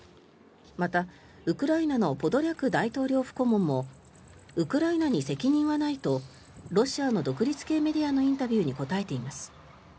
またウクライナのポドリャク大統領府顧問もウクライナに責任はないとロシアの独立系メディアのインタビューに答えています。